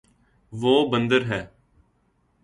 وہ بندر ہے